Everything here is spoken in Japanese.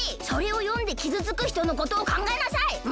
それをよんできずつくひとのことをかんがえなさい！